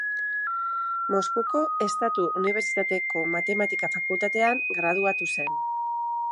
Moskuko Estatu Unibertsitateko Matematika Fakultatean graduatu zen.